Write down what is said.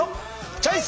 チョイス！